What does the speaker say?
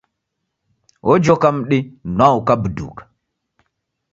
Ojoka m'di nwao ukabuduka.